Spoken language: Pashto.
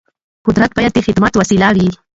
قدرت باید د خدمت وسیله وي